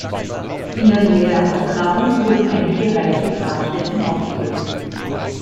In der Nähe der Ausgrabung wurden einige reiche Grabstätten aufgedeckt.